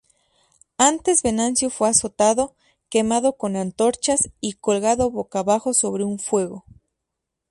Antes Venancio fue azotado, quemado con antorchas y colgado boca abajo sobre un fuego.